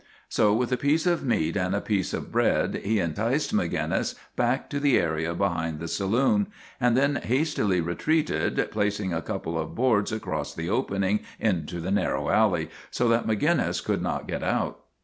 So, with a piece of meat and a bit of bread, he enticed Maginnis back to the area behind the saloon, and then hastily retreated, placing a couple of boards across the opening into the nar row alley, so that Maginnis could not get out.